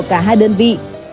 của cả hai đơn vị